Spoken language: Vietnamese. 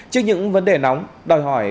trước những vấn đề nóng đòi hỏi